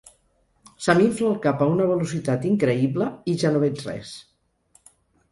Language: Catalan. Se m’infla el cap a una velocitat increïble, i ja no veig res.